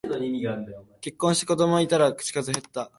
結婚して子供いたら口数へった